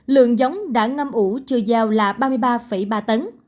lượng giống đã ngâm ủ chưa giao là ba mươi ba ba tấn